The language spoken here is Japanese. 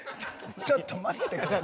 ちょっと待ってくれ。